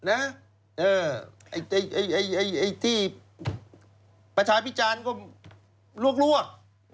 ไอ้ที่ประชาพิจารณ์ก็ลวก